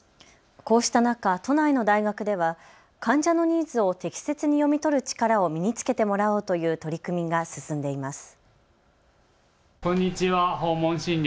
こうした中、都内の大学では患者のニーズを適切に読み取る力を身につけてもらおうという取り組みが進んでいます。